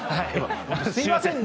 すいませんね